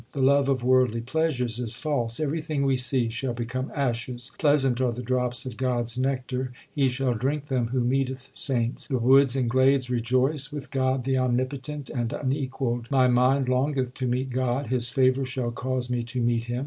The love of worldly pleasures is false ; everything we see shall become ashes. Pleasant are the drops of God s nectar ; he shall drink them who meeteth saints. The woods and glades rejoice with God the omnipotent and unequalled. My mind longeth to meet God ; His favour shall cause me to meet Him.